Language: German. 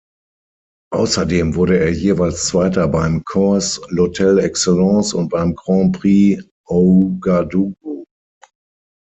Außerdem wurde er jeweils Zweiter beim Course l'Hôtel Excellence und beim Grand Prix Ouagadougou.